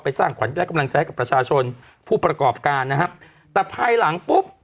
สร้างขวัญและกำลังใจให้กับประชาชนผู้ประกอบการนะครับแต่ภายหลังปุ๊บ